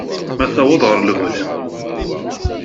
Ma tewweḍ ɣer lebɣi-s.